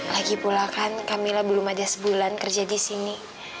lagi pula kan camilla belum ada sebulan kerja di sini